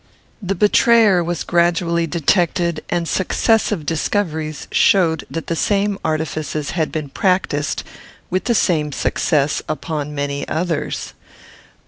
The betrayer was gradually detected, and successive discoveries showed that the same artifices had been practised, with the same success, upon many others.